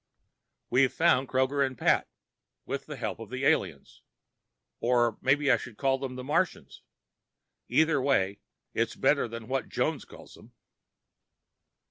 We've found Kroger and Pat, with the help of the aliens. Or maybe I should call them the Martians. Either way, it's better than what Jones calls them.